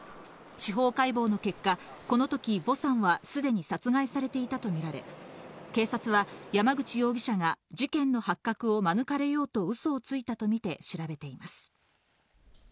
司法解剖の結果、このときヴォさんはすでに殺害されていたとみられ、警察は山口容疑者が事件の発覚を免れようとウソをついたとみて調べています。